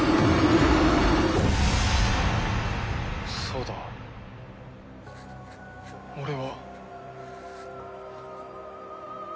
そうだ俺は。